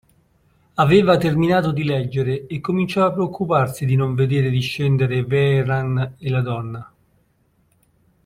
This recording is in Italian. Aveva terminato di leggere e cominciava a preoccuparsi di non vedere discendere Vehrehan e la donna.